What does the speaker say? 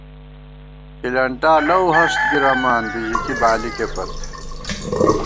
کھِلَنٹا لَؤ ہست گِرَمان ، بژِکی بالِکےپت